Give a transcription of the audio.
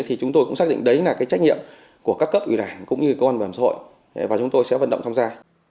thì chúng tôi cũng xác định đấy là cái trách nhiệm của các cấp ủy đảng cũng như cơ quan bảo hiểm xã hội và chúng tôi sẽ vận động tham gia